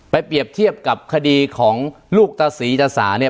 เปรียบเทียบกับคดีของลูกตะศรีตาสาเนี่ย